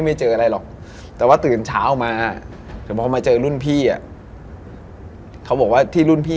มันเหมือนคนมากเลยอ่ะพี่